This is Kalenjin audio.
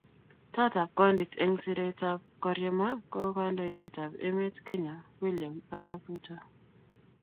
Toot ab Kondit eng siretab koriema ko kandoindet ab emetab Kenya William Arap Ruto